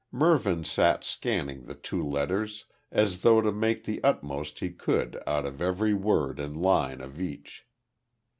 Mervyn sat scanning the two letters, as though to make the utmost he could out of every word and line of each.